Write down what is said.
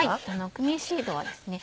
クミンシードはですね